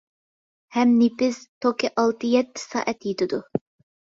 ھەم نېپىز، توكى ئالتە يەتتە سائەت يېتىدۇ.